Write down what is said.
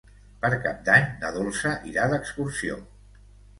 Per Cap d'Any na Dolça irà d'excursió.